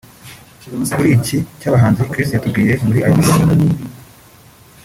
Kuri iki cy’abahanzi Chris yabitubwiye muri aya magambo